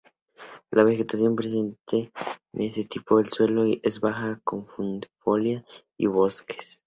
La vegetación presente en este tipo de suelo es baja caducifolia y bosques.